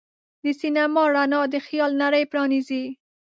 د سینما رڼا د خیال نړۍ پرانیزي.